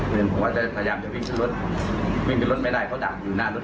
เหมือนผมก็จะพยายามจะวิ่งขึ้นรถวิ่งขึ้นรถไม่ได้เขาดักอยู่หน้ารถ